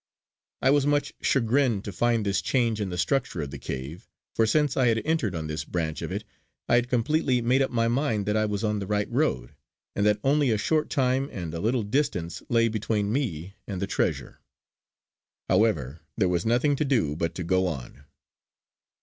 I was much chagrined to find this change in the structure of the cave, for since I had entered on this branch of it I had completely made up my mind that I was on the right road and that only a short time and a little distance lay between me and the treasure. However there was nothing to do but to go on.